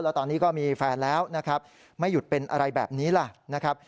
แล้วตอนนี้ก็มีแฟนแล้วไม่หยุดเป็นอะไรแบบนี้ล่ะ